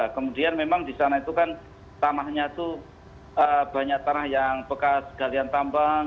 kemudian memang di sana itu kan tanahnya itu banyak tanah yang bekas galian tambang